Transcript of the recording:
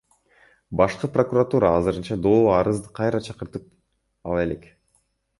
Башкы прокуратура азырынча доо арызды кайра чакыртып ала элек.